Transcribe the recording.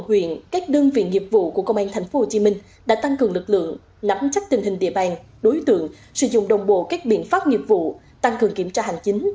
huyện các đơn vị nghiệp vụ của công an tp hcm đã tăng cường lực lượng nắm chắc tình hình địa bàn đối tượng sử dụng đồng bộ các biện pháp nghiệp vụ tăng cường kiểm tra hành chính